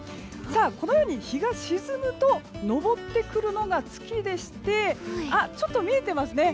このように日が沈むと上ってくるのが月でしてあ、ちょっと見えてますね。